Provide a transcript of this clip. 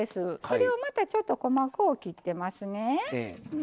これをまたちょっと細こう切ってますね。